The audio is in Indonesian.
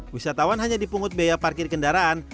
wisatawan hanya dipungut biaya parkir kendaraan